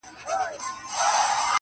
o هر څوک د پېښې کيسه بيا بيا تکراروي,